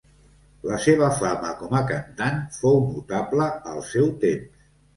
La seva fama com a cantant fou notable al seu temps.